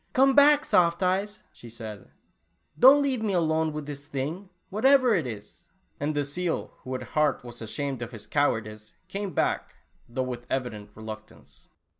" Come back, Soft Eyes," she said, " don't leaye me all alone with this thing, whateyer it is," and the seal, who, at heart, was ashamed of his cowardice, came back, though with eyident re luctance.